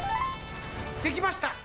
できました！